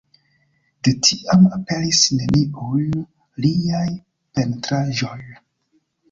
De tiam aperis neniuj liaj pentraĵoj.